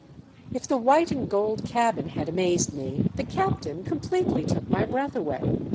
If the white and gold cabin had amazed me, the captain completely took my breath away.